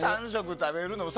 ３食食べるのは。